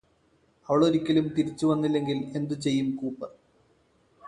അവളൊരിക്കലും തിരിച്ചുവന്നില്ലെങ്കില് എന്തുചെയ്യും കൂപ്പര്